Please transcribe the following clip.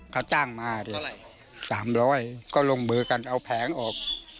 เขาจ้างมาดิ๓๐๐ก็ลงมือกันเอาแผงออก